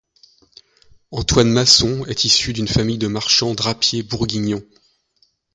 Antoine Masson est issu d'une famille de marchand drapiers bourguignons.